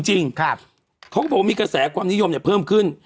จริงเขาก็บอกว่ามีกระแสความนิยมเพิ่มขึ้น